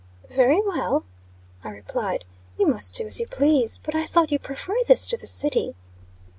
"Very well," I replied. "You must do as you please. But I thought you preferred this to the city?"